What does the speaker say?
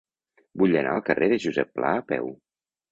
Vull anar al carrer de Josep Pla a peu.